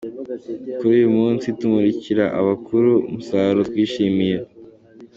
kuri uyu munsi tumurikira abakuru umusaruro twishimiye.